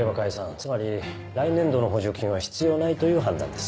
・つまり来年度の補助金は必要ないという判断です。